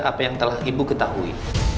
apa yang telah ibu ketahui